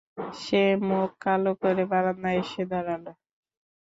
সে মুখ কালো করে বারান্দায় এসে দাঁড়াল।